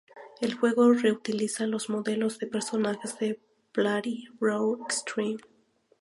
El juego reutiliza los modelos de personajes de "Bloody Roar Extreme".